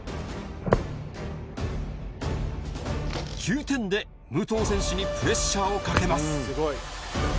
９点で武藤選手にプレッシャーをかけます。